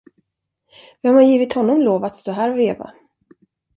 Vem har givit honom lov att stå här och veva?